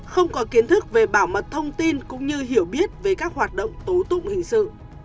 không có kiến thức về bảo mật thông tin cũng như hiểu biết về các hoạt động tố tụng hình sự